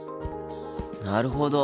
なるほど。